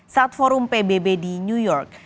saat forum pbb di new york